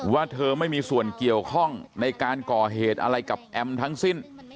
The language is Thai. ว่าเธอไม่มีส่วนเกี่ยวข้องในการก่อเหตุอะไรกับแอมทั้งสิ้น